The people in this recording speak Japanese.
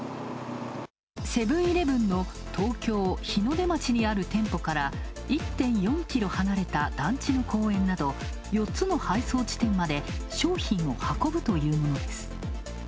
セブン‐イレブンの東京・日の出町にある店舗から１．４ｋｍ離れた団地の公園など４つの配送地点まで商品を運ぶというものです。